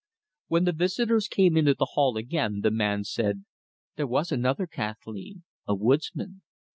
When the visitors came into the hall again, the man said: "There was another; Kathleen a woodsman."